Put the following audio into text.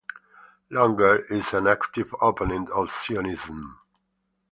Langer is an active opponent of Zionism.